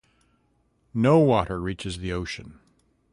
No water reaches the ocean.